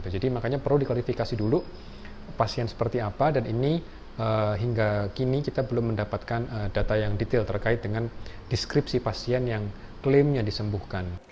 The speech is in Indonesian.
jadi makanya perlu diklarifikasi dulu pasien seperti apa dan ini hingga kini kita belum mendapatkan data yang detail terkait dengan deskripsi pasien yang klaimnya disembuhkan